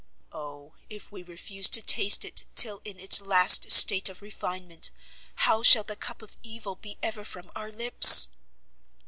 Oh if we refuse to taste it till in its last state of refinement, how shall the cup of evil be ever from our lips?"